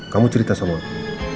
kamu cerita sama aku